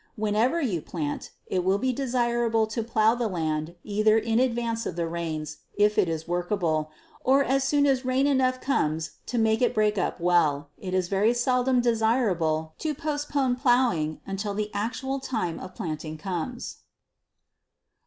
Whenever you plant, it will be desirable to plow the land either in advance of the rains, if it is workable, or as soon as rain enough comes to make it break up well. It is very seldom desirable to postpone plowing until the actual time of planting comes.